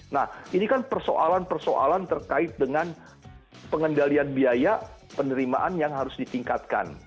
nah ini kan persoalan persoalan terkait dengan pengendalian biaya penerimaan yang harus ditingkatkan